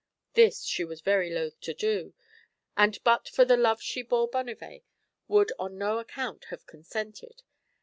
This she was very loth to do, and but for the love she bore to Bonnivet would on no account have consented.